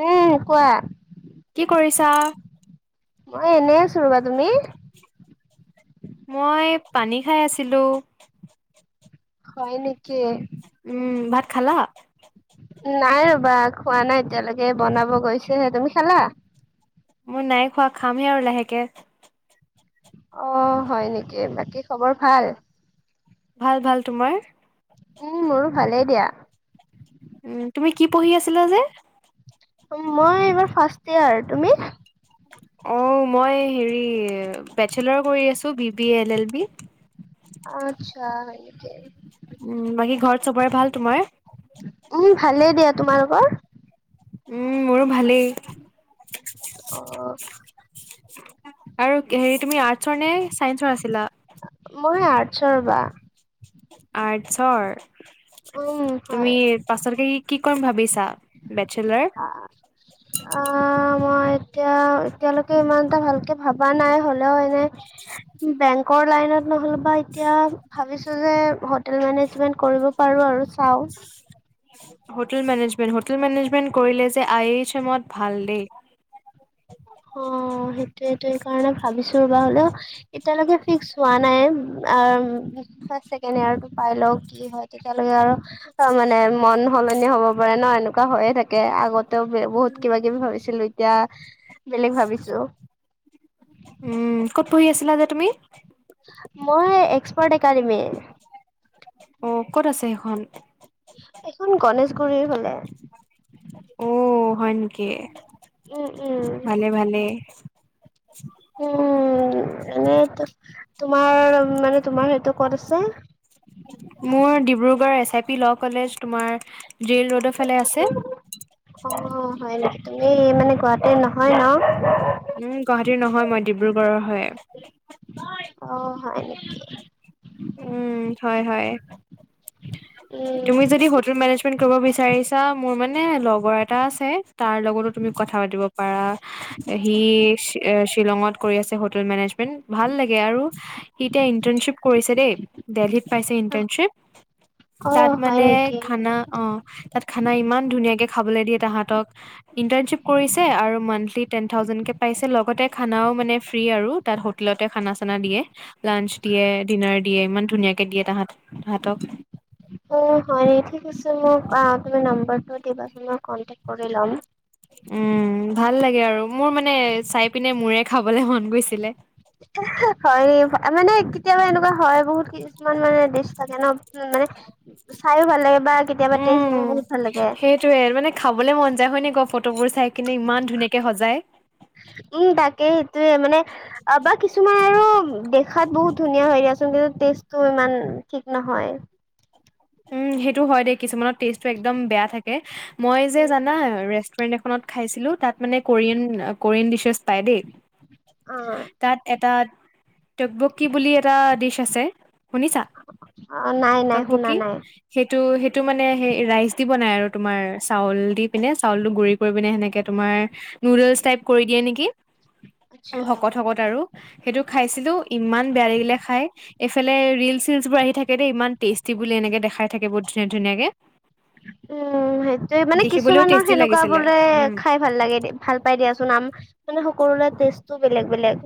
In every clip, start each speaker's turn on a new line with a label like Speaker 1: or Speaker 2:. Speaker 1: উম, কোৱা।
Speaker 2: কি কৰিছা?
Speaker 1: মই এনে, আছো ৰ'বা তুমি?
Speaker 2: মই পানীত খাই আছিলোঁ।
Speaker 1: হয় নেকি?
Speaker 2: উম, ভাত খালা?
Speaker 1: নাই ৰবা খোৱা নাই এতিয়ালৈকে বনাব গৈছেহে। তুমি খালা?
Speaker 2: মই নাই খোৱা খামহে আৰু লাহেকে।
Speaker 1: অ হয় নেকি, বাকী খবৰ ভাল?
Speaker 2: ভাল ভাল। তোমাৰ?
Speaker 1: উম মোৰো ভালেই দিয়া।
Speaker 2: উ তুমি কি পঢ়ি আছিলা যে?
Speaker 1: মই এইবাৰ ফাৰ্ষ্ট ইয়াৰ। তুমি?
Speaker 2: অ মই হেৰি বেষ্টলাৰ কৰি আছো B B L L B.
Speaker 1: আত্চ্ছা, হয় নেকি?
Speaker 2: উম বাকী ঘৰত চবৰে ভাল তোমাৰ?
Speaker 1: উম ভালে দিয়া। তোমালোকৰ?
Speaker 2: উম মোৰো ভালেই।
Speaker 1: আ।
Speaker 2: আৰু কে হেৰি তুমি আৰ্টচৰ নে চাইন্সৰ আছিলা?
Speaker 1: মই আৰ্টছৰ বা।
Speaker 2: আৰ্টছৰ,
Speaker 1: উম
Speaker 2: তুমি
Speaker 1: হয়
Speaker 2: পাছতকে কি কৰিম ভাবিছা? বেষ্টেলাৰ।
Speaker 1: আ, আ মই এতিয়া এতিয়ালৈকে ইমানটা ভালকে ভবা নাই হ'লেও এনে বেংকৰ লাইনত নহ'লে বাই- এতিয়া ভাবিছো যে হোটেল মেনেজমেন্ট কৰিব পাৰো আৰু চাও।
Speaker 2: হোটেল মেনেজমেন্ট হোটেল, মেনেজমেন্ট কৰিলে যে আই এইচ এমত ভাল দেই।
Speaker 1: অ সেইটোয়ে এটোৱে কাৰণে ভাবিছো ৰ'বা হ'লেও এতিয়ালৈকে ফিক্স হোৱা নাই আ'ম ফাৰ্ষ্ট ছেকেণ্ড ইয়াৰটো পাই লও কি হয় তেতিয়ালৈকে আৰু তামানে মন সলনি হব পাৰে ন এনেকুৱা হৈয়ে থাকে আগতেও বে বহুত। কিবা কিবি ভাবিছিলো এতিয়া বেলেগ ভাবিছো।
Speaker 2: উ ক'ত পঢ়ি আছিলা যে তুমি?
Speaker 1: মই এক্সপাৰ্ট একাডেমি।
Speaker 2: অ ক'ত আছে সেখন?
Speaker 1: এইখন গনেশগুৰিৰ ফালে।
Speaker 2: অ হয় নেকি?
Speaker 1: উম উম
Speaker 2: ভালে ভালে।
Speaker 1: উম এনে তোমাৰ মানে তোমাৰ সেইটো ক'ত আছে?
Speaker 2: মোৰ ডিব্ৰুগড়ৰ S I P law college তোমাৰ জেইল ৰ'ডৰ ফালে আছে।
Speaker 1: অ' হয় নেকি? তুমি মানে গুৱাহাটীৰ নহয় ন?
Speaker 2: উম গুৱাহাটীৰ নহয় মই ডিব্ৰুগড়ৰৰ হয়।
Speaker 1: অ হয় নেকি?
Speaker 2: উম হয় হয়।
Speaker 1: উম,
Speaker 2: তুমি যদি হোটেল মেনেজমেন্ট কৰিব বিচাৰিছা মোৰ মানে লগৰ এটা আছে। তাৰ লগতো তুমি কথা পাতিব পাৰা। সি শি এ শি শ্বিলঙত কৰি আছে হোটেল মেনেজ- মেণ্ট ইমান ভাল লাগে আৰু সি এতিয়া ইণ্টাৰ্ণশ্বিপ কৰিছে দেই দেলহিত পাইছে ইণ্টাৰ্ণশ্বিপ। তাত
Speaker 1: অ', হয়
Speaker 2: মানে
Speaker 1: নেকি?
Speaker 2: খানা অ তাত খানা ইমান ধুনীয়াকে খাবলে দিয়ে তাহাঁতক ইন্টাৰনশ্বিপ কৰিছে আৰু মন্থলী টেন থাউজেণ্ডকে পাইছে লগতে খানাও মানে ফ্ৰী আৰু তাত হোটেলতে খানা চানা দিয়ে। লাঞ্চ দিয়ে, ডিনাৰ দিয়ে ইমান ধুনীয়াকে দিয়ে তাহাঁত তাহাঁতক।
Speaker 1: অ', হয় নি ঠিক আছে মোক আ, তোমাৰ নাম্বাৰটো দিবা চোন মই কন্টেক্ট কৰি লম।
Speaker 2: উম ভাল লাগে আৰু মোৰ মানে চাই পিনে মোৰে খাবলে মন গৈছিলে।
Speaker 1: হয় ই [unintelligible] মানে কেতিয়াবা এনেকুৱা হয় বহুত কি কিছুমান মানে দিছ থাকে ন উম মানে চায়ো ভাল লাগে বা কেতিয়াবা টেষ্ট বহুত ভাল লাগে।
Speaker 2: টোৱেই মানে খাবলে মন যায় হয় নে কোৱা ফটোবোৰ চাই কিনে ইমান ধুনীয়াকে সজায়।
Speaker 1: উম তাকে সেটোয়ে মানে আ, বা কিছুমান আৰু দেখাত বহুত ধুনীয়া হয় দিয়াচোন কিন্তু টেষ্টটো ইমান ঠিক নহয়।
Speaker 2: উম সেইটো হয় দেই কিছুমানৰ টেষ্টটো একদম বেয়া থাকে। মই যে জানা ৰেচ ষ্টুৰেণ্ট এখনত খাইছিলোঁ তাত মানে কৰিয়ান আ, কৰিয়ান ডিছেছ পাই দেই।
Speaker 1: অ
Speaker 2: তাত এটা টব্যকি বুলি এটা ডিছ আছে। শুনিছা
Speaker 1: অ নাই নাই শুনা
Speaker 2: টব্যকি?
Speaker 1: নাই।
Speaker 2: সেইটো সেইটো মানে সেই ৰাইচ দি বনাই আৰু তোমাৰ চাউল দি পিনে চাউলটো গুৰি কৰি পিনে সেনেক কে তোমাৰ নুডলছ টাইপ কৰি দিয়ে নেকি। উম
Speaker 1: আচ্ছা।
Speaker 2: শকত শকত আৰু সেইটো খাইছিলোঁ ইমান বেয়া লাগিলে খাই এইফালে ৰিলচ চিলচ বোৰ আহি থাকে দেই ইমান টেষ্টি বুলি এনেকে দেখাই থাকে বহুত ধুনীয়া ধুনীয়াকে
Speaker 1: উম সেইটোৱে মানে
Speaker 2: দেখিবলৈও
Speaker 1: কিছুমানৰ
Speaker 2: টেষ্টি
Speaker 1: সেনেকুৱা
Speaker 2: লাগিছিলে
Speaker 1: বোলে
Speaker 2: উম।
Speaker 1: খাই ভাল লাগে দে, ভাল পাই দিয়াচোন আম মানে সকলোৰে টেষ্টটো বেলেগ বেলেগ।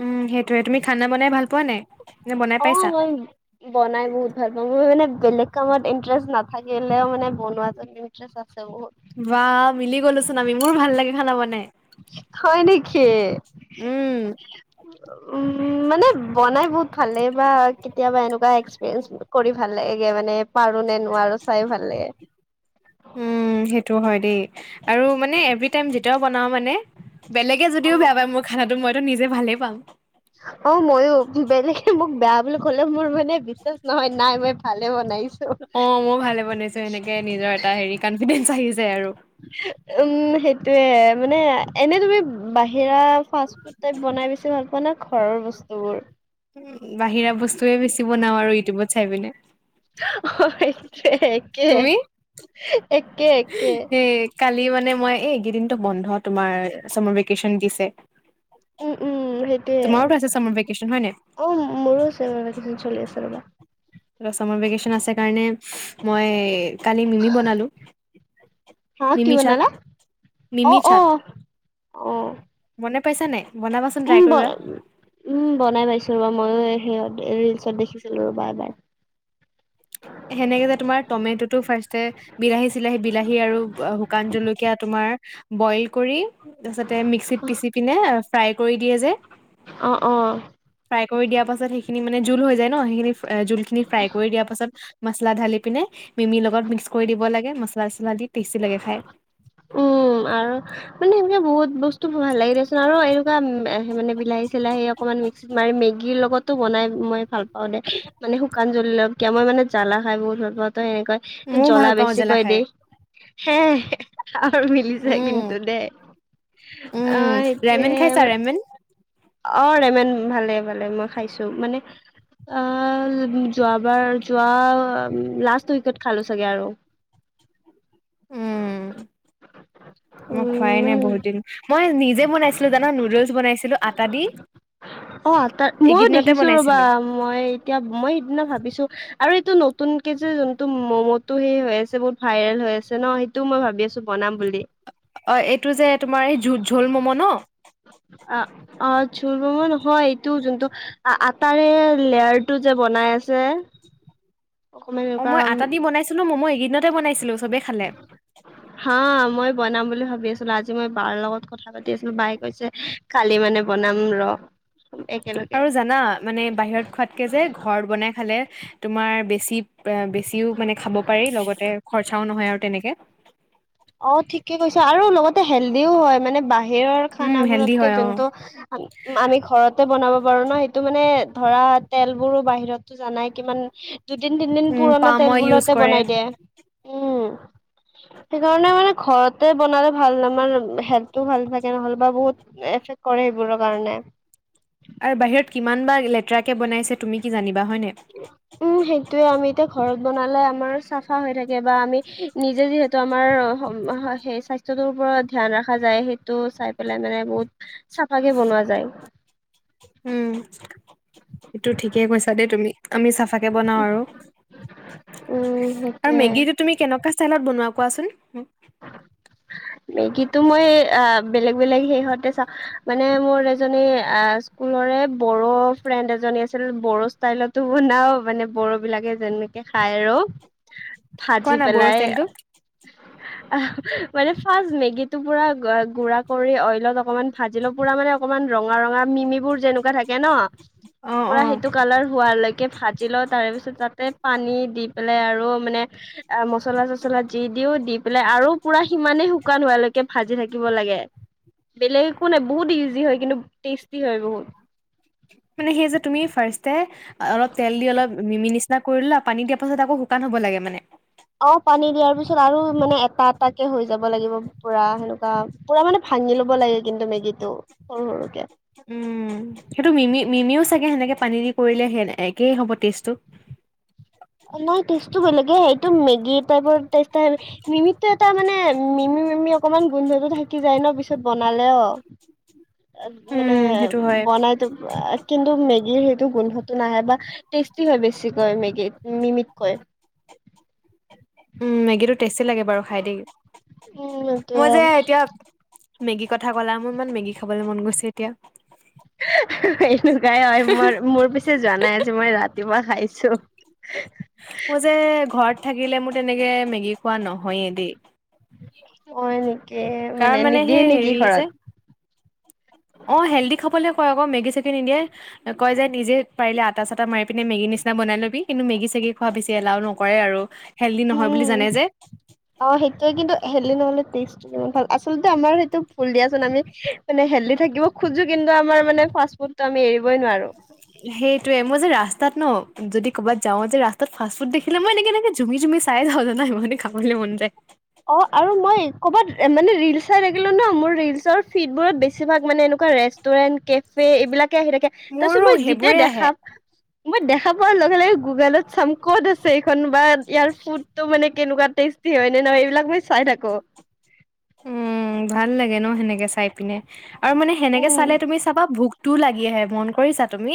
Speaker 2: উম, সেইটোয়ে তুমি খানা বনাই ভাল পোৱা নাই? নে বনাই
Speaker 1: অ',
Speaker 2: পাইছা?
Speaker 1: হয় [unintelligible] বনাই বহুত ভাল পাওঁ মই মানে বেলেগ কামত ইন্টাৰেষ্ট নাথাকিলেও মানে বনোৱাটোত কিন [unintelligible] আছে বহুত।
Speaker 2: বা মিলি গ'লোচোন আমি, মোৰ ভাল লাগে খানা বনাই।
Speaker 1: হয় নেকি?
Speaker 2: উম,
Speaker 1: উম, মানে বনাই বহুত [unintelligible] বা কেতিয়াবা এনেকুৱা এক্সপিৰিয়েঞ্চ কৰি ভাল লাগে গে মানে পাৰোঁ নে নোৱাৰোঁ চাইও ভাল লাগে।
Speaker 2: উম, সেইটো হয় দেই আৰু মানে এভৰীটাইম যেতিয়াও বনাও মানে বেলেগে
Speaker 1: অ
Speaker 2: যদিও বেয়া পায় মোৰ খানাতো মইতো নিজে ভালেই পাম।
Speaker 1: অ', ময়ো বেলেগে মোক বেয়া বুলি ক'লেও মোৰ মানে বিশ্বাস নহয়, নাই মই ভালেই বনাইছোঁ
Speaker 2: অ', মই ভালে বনাইছোঁ সেনেকে নিজৰ এটা হেৰি কানফিডেঞ্চ আহি যায় আৰু
Speaker 1: উম, সেইটোয়ে মানে এনে তুমি বাহিৰা ফাষ্ট-ফুড টাইপ বনাই বেছি ভাল পোৱা নে ঘৰৰ বস্তুবোৰ?
Speaker 2: বাহিৰা বস্তুয়ে বেছি বনাওঁ আৰু ইউটিউবত চাই পিনে।
Speaker 1: [unintelligible] একে একে,
Speaker 2: তুমি?
Speaker 1: একে একে।
Speaker 2: সেই কালি মানে মই এই গিদিনতো বন্ধ, তোমাৰ চামাৰভেকেচন দিছে।
Speaker 1: উম উম সেইটোয়ে।
Speaker 2: তোমাৰোতো আছে চামাৰভেকেচন হয় নাই?
Speaker 1: অ', মোৰো চামাৰভেকেচন চলি আছে ৰ'বা।
Speaker 2: [unintelligible] চামাৰভেকেচন আছে কাৰণে মই কালি মিমি বনালোঁ।
Speaker 1: হা কি বনালা?
Speaker 2: মিমি
Speaker 1: অ', অ'। অ'।
Speaker 2: বনাই পাইছা নে?
Speaker 1: উম ব, উম বনাই পাইছোঁ ৰ'বা ময়ো এই সিঁহত ৰিলচত দেখিছিলো ৰ'বা এবাৰ।
Speaker 2: সেনেকে যে তোমাৰ টমেটটো ফাৰ্ষ্টে বিলাহী চিলাহী বিলাহী আৰু শুকান জলকীয়া তোমাৰ বইল কৰি তাৰপিছতে মিক্সিত পিচি পিনে ফ্ৰাই কৰি দিয়ে যে।
Speaker 1: অ, অ,
Speaker 2: ফ্ৰাই কৰি দিয়া পাছত সেইখিনি মানে জোল হৈ যায় ন' সেইখিনি জোল খিনি ফ্ৰাই কৰি দিয়া পাছত, মচলা ঢালি পিনে মিমিৰ লগত মিক্স কৰি দিব লাগে মছলা চচলা দি টেষ্টি লাগে খাই।
Speaker 1: উম, আৰু মানে সনে বহুত বস্তু ভাল লাগে দেচোন আৰু এনেকুৱা উম, মানে বিলাহী চিলাহী, অকণমান মিক্সিত মাৰি মেগীৰ লগতো বনাই, মই ভাল পাও দে মানে শুকান জ্বল লওকিয় মই মানে জ্বালা খাই বহুত ভাল পাওঁ। তই সেনেকে
Speaker 2: ময়ো
Speaker 1: জ্বলা
Speaker 2: ভাল পাওঁ
Speaker 1: বেছিকৈ
Speaker 2: খাই
Speaker 1: দেই হেই। আৰু মিলিছে
Speaker 2: উম
Speaker 1: কিন্তু দেই অ,
Speaker 2: উম ৰেমেন খাইছা
Speaker 1: সটোৱে।
Speaker 2: ৰেমেন
Speaker 1: অ, ৰেমন ভালে-ভালে মই খাইছো মানে আহ যোৱাবাৰ যোৱা লাষ্ট উইকত খালো চাগে আৰু
Speaker 2: উম, মই খোৱাই
Speaker 1: উম
Speaker 2: নাই
Speaker 1: মানে
Speaker 2: বহুত দিন। মই নিজে বনাইছিলো জানা নুদলছ বনাইছিলো আতাদি।
Speaker 1: অ, আতা মায়ো দেখিছো ৰবা।
Speaker 2: বনাইছিলো
Speaker 1: মই এতিয়া মই সিদিনা ভাবিছো আৰু এইটো নতুন কে যে যোনটো মম সেই হৈ আছে বহুত ভাইৰেল হৈ আছে ন সেইটোও মই ভাবি আছো বনাম বুলি।
Speaker 2: অ, এইটো যে জোল-জোল মম ন'
Speaker 1: অ, অ, জোল মম নহয় এইটো যোনটো আটাৰে লেয়াৰ টো যে বনাই আছে। অকমান
Speaker 2: অ,
Speaker 1: এনেকুৱা
Speaker 2: মই আটা দি বনাইছিলো মমো এইকেইনতে বনাইছিলো চবেই খালে।
Speaker 1: হা মই বনাম বুলি ভাবি আছিলো। আজি মই বাৰ লগত কথা পাতি আছিলো বাই কৈছে কালি মানে বনাম ৰ। একেলগে
Speaker 2: আৰু জানা মানে বাহিৰত খোৱাতকে যে ঘৰত বনাই খালে, তোমাৰ বেছি বেছিও মানে খাব পাৰি লগতে খৰচাও নহয় আৰু তেনেকে।
Speaker 1: অ, ঠিকে কৈছো আৰু লগতে হেল্ডিও হয় মানে বাহ বাহিৰৰ
Speaker 2: উম
Speaker 1: খানা
Speaker 2: হেল্ডি
Speaker 1: বোৰতকে
Speaker 2: হয় অ
Speaker 1: যোনটো উম, আমি ঘৰতে বনাব পাৰো ন সেইটো মানে ধৰা তেলবোৰো বাহিৰত জানাই কিমান দুদিন তিনদিন
Speaker 2: উম
Speaker 1: পুৰণা
Speaker 2: পাম অইল ইউজ
Speaker 1: তেলবোঁৰতে
Speaker 2: কৰে
Speaker 1: বনাই দিয়ে। উম, সেইকাৰণে মানে ঘৰতে বনালে ভাল আমাৰ হেল্থটো ভাল থাকে নহল বা বহুত এফেক্ট কৰে সেইবোৰৰ কাৰণে।
Speaker 2: আৰু বাহিৰত কিমান বা লেতেৰাকে বনাইছে তুমি কি জানিবা হয়নে।
Speaker 1: উম সেইটোয়ে আমি এতিয়া ঘৰত বনালে আমাৰ চাফা হৈ থাকে বা আমি নিজে যিহেতু, টো আমাৰ সেই স্বাস্থ্যটোৰ ওপৰত ধ্যায়ান ৰখা যায় সেইটো চাই পেলাই মানে বহুত চাফাকে বনোৱা যায়।
Speaker 2: উম, এইটো ঠিকে কৈছা দেই তুমি। আমি চাফাকে বনাও আৰু
Speaker 1: উম
Speaker 2: আৰু
Speaker 1: সেইটোয়ে
Speaker 2: মেগীটো তুমি কেনেকুৱা ষ্টাইলত বনোৱা কোৱাচোন?
Speaker 1: মেগী মই অ বেলেগ বেলেগ সেহতে চাও মানে মোৰ এজনী আ, স্কুলৰে বড়ো ফ্ৰেণ্ড এজনী আছিল বড়ো ষ্টাইলতো বনাও মানে বড়ো বিলাকে যেন খাই আৰু
Speaker 2: কোৱা
Speaker 1: ভাজি
Speaker 2: না বড়ো
Speaker 1: পেলাই।
Speaker 2: ষ্টাইলটো।
Speaker 1: মানে ফ মেগীটো পুৰা গুড় কৰি অইলত অকমান ভাজ লৈ পুৰা মানে অকণমান ৰঙা-ৰঙা মিমিবোৰ যেনেকুৱা থাকে। থাকে ন'
Speaker 2: অ',
Speaker 1: পুৰা
Speaker 2: অ',
Speaker 1: সেইটো কালাৰ হোৱা লৈকে ভা জি লওঁ তাৰে পিছত তাতে পানী দি পেলাই আৰু মানে অ মচলা চচলা দি দিওঁ দি পেলাই আৰু পুৰা সিমানেই শুকান হোৱালৈকে- কে ভাজি থাকিব লাগে বেলেগ একো নাই বহুত ইজি হয় কিন্তু টেষ্টি হয় বহুত।
Speaker 2: মানে সেই যে তুমি ফাৰ্ষ্টতে অলপ তেল দি অলপ মিমি নিচি না কৰিলোৱা পানী দিয়াৰ পাছত আকৌ শুকান হ'ব লাগে মানে।
Speaker 1: অ পানী দিয়াৰ পিছত আৰু মানে এটা এটাকে হৈ যাব লাগিব। পুৰা সেনেকুৱা পুৰা মানে ভাঙি লব লাগে কিন্তু মেগী টো সৰু সৰুকে।
Speaker 2: উম, সেইটো মিমি মিমিও চাগে সেনেকে পানী দি কৰিলে সে একেই হ'ব টেষ্টটো।
Speaker 1: নাই টেষ্টটো বেলেগে সেইটো মেগী টাইপৰ টেষ্ট আহে। মিমিটো এটা মানে মিমি মিমি অকমান গোন্ধটো থাকি যায় ন পিছত বনালেও। অ
Speaker 2: উম,
Speaker 1: মানে
Speaker 2: সেইটো হয়।
Speaker 1: বনাইতো পায় কিন্তু মেগীৰ সেইটো গোন্ধটো নাহে বা টেষ্টি হয় বেছিকৈ মেগী মিমিতকৈ।
Speaker 2: উম, মেগীটো টেষ্টি লাগে বাৰু খাই দেই,
Speaker 1: উম
Speaker 2: মই যে এতিয়া মেগী কথা ক'লা মোৰ ইমান মেগী খাবলে মন গৈছে এতিয়া।
Speaker 1: [unintelligible] এনেকুৱাই হয় মই মোৰ পিছ ছে জানাই আজি মই ৰাতিপুৱা খাইছোঁ।
Speaker 2: মই যে ঘৰত থাকিলে মোৰ তেনেকে মেগী খোৱা নহয়ে দেই।
Speaker 1: হয় নেকি
Speaker 2: কাৰ মানে
Speaker 1: নিদিয়ে
Speaker 2: সেই
Speaker 1: নেকি
Speaker 2: হেৰি
Speaker 1: ঘৰত
Speaker 2: যে অ হেল্ডি খাবলে কয় আক মেগী চেগি নিদিয়ে। কয় যে নিজে পাৰিলে আটা চাটা মাৰি পিনে মেগি নিচিনা বনাই লবি কিন্তু মেগি চেগি খোৱা বেছি এলাও নকৰে আৰু। হেল্ডি নহয় বুলি
Speaker 1: উম
Speaker 2: জানে যে।
Speaker 1: অ সেইটোয়ে কিন্তু হেল্ডি নহ'লে টেষ্ট- উ ভাল আচলতে আমাৰ সেইটো ভুল দিয়াচোন আমি মানে হেল্ডি থাকিব খুজোঁ কিন্তু আমাৰ মানে ফাষ্ট-ফুডতো আমি এৰিবই নোৱাৰোঁ।
Speaker 2: সেইটোয়ে মই যে ৰাস্তাত ন যদি ক'বাত যাওঁ যে ৰাস্তাত ফাষ্ট-ফুড দেখিলে মই এনেকে এনেকে জুমি জুমি চাই যাওঁ জানা ইমানেই খাবলে মন যায়।
Speaker 1: অ আৰু মই ক'ৰবাত মানে ৰিল চাই থাকিলো ন মোৰ ৰিলচৰ ফিডবোৰত বেছিভাগ মানে এনেকুৱা ৰেষ্ট তুৰেন, কেফে, এইবিলাকে আহি থাকে তাৰপিছত
Speaker 2: মোৰো
Speaker 1: মই যেতিয়া
Speaker 2: সেইবোৰে আহে
Speaker 1: দেখাম মই দেখা পোৱাৰ লগে লগে গুগলত চাম ক'ত আছে এইখন বা ইয়াৰ ফুট- তো মানে কেনেকুৱা টেষ্টি হয়নে নহয় এইবিলাক মই চাই থাকো।
Speaker 2: উম ভাল লাগে ন সেনেকে চাই পিনে আৰু মানে সেনেকে
Speaker 1: উম
Speaker 2: চালে তুমি চাবা ভোক- টো লাগি আহে মন কৰিছা তুমি?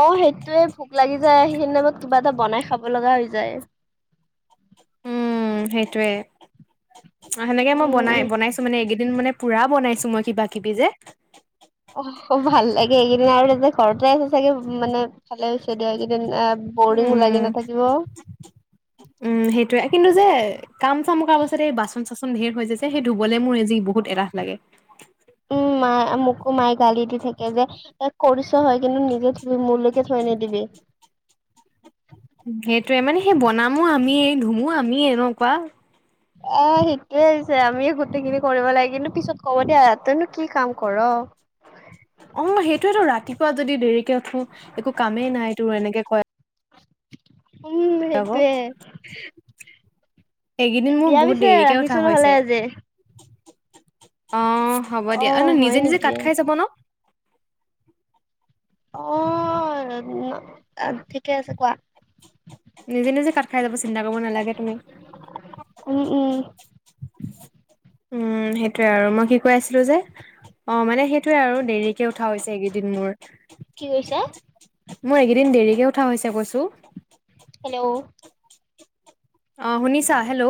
Speaker 1: অ সেইটোয়ে ভোক লাগি যায়, সেইদিনা বা কিবা এটা বনাই খাব লগা হৈ যায়।
Speaker 2: উম সেইটোয়ে, সেনেকে মই
Speaker 1: উম
Speaker 2: বনাই বনাইছো মানে এইকেইদিন মানে- পুৰা বনাইছো মই কিবা কিবি যে।
Speaker 1: অ ভাল লাগে এইকেইদিন আৰু তাতে ঘৰতে আছে চাগে মানে ভালে হৈছে দিয়া এইকেইদিন আহ বৰিং
Speaker 2: উম
Speaker 1: লাগি নাথাকিব।
Speaker 2: উম সেইটোৱে কিন্তু যে কাম চাম কৰাৰ পাছতে এই বাচন চাচন ধেৰ হৈ যায় যে সেই ধুবলৈ মোৰ এজি বহুত এলাহ লাগে।
Speaker 1: মায় মোকো মায়ে গালি দি থাকে যে কৰিছ হয় কিন্তু নিজে ধুবি মোৰলৈ কে থৈ নিদিবি।
Speaker 2: সেইটোয়ে মানে সেই বনামো আমিয়ে, ধুমো আমিয়ে, এনেকুৱা।
Speaker 1: এ সেইটোয়ে হৈছে আমি গোটেইখিনি কৰিব লাগে, কিন্তু পিছত কব দিয়া তইনো কি কাম কৰ?
Speaker 2: অ সেইটোয়েতো ৰাতিপুৱা যদি দেৰিকে উঠো একো কামেই নাই তোৰ এনেকে কয়।
Speaker 1: উম,
Speaker 2: আকৌ।
Speaker 1: হেতোৱে।
Speaker 2: এইকেইদিন মোৰ
Speaker 1: দিয়া
Speaker 2: বহুত
Speaker 1: পিছে
Speaker 2: দেৰিকে
Speaker 1: ৰাখিছো
Speaker 2: উঠা
Speaker 1: নহলে
Speaker 2: হৈছে।
Speaker 1: আজি
Speaker 2: [inaudible] অ', হ'ব দিয়া অ
Speaker 1: হয়
Speaker 2: ন-নিজে নিজে
Speaker 1: নেকি
Speaker 2: কাট খাই জাব ন?
Speaker 1: অ', ন [unintelligible] ঠিকে আছে কোৱা।
Speaker 2: নিজে নিজে কাট খাই যাব চিন্তা কৰিব নালাগে তুমি।
Speaker 1: উম, উম।
Speaker 2: উম, সেইটোৱে আৰু মই কি কৈ আছিলো যে অ', মানে সেইটোয়ে আৰু দেৰিকে উঠা হৈছে এইকেইদিন মোৰ।
Speaker 1: কি কৈছে?
Speaker 2: মোৰ এইকেইদিন দেৰিকে উঠা হৈছে কৈছোঁ।
Speaker 1: হেল্ল'।
Speaker 2: অ', শুনিছা হেল্ল'।